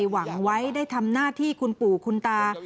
หวังไว้ได้ทำหน้าที่คุณปู่คุณตา